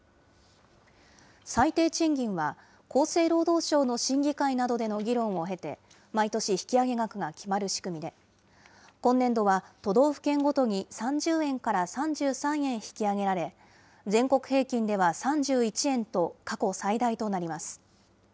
最低賃金は、厚生労働省の審議会などでの議論を経て、毎年引き上げ額が決まる仕組みで、今年度は都道府県ごとに３０円から３３円引き上げられ、全国平均では３１円と、過去最大となります。